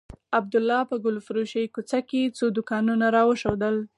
عبدالله په ګلفروشۍ کوڅه کښې څو دوکانونه راوښوول.